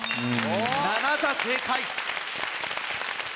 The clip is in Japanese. ７座正解。